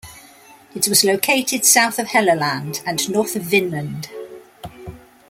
It was located south of Helluland and north of Vinland.